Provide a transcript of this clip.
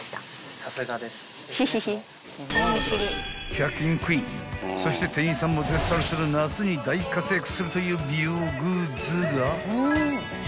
［１００均クイーンそして店員さんも絶賛する夏に大活躍するという美容グッズが］